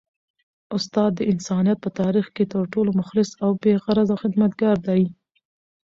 استاد د انسانیت په تاریخ کي تر ټولو مخلص او بې غرضه خدمتګار دی.